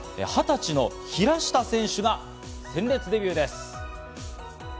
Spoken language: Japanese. ２０歳の平下選手が鮮烈デビューです。